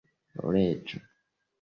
reĝo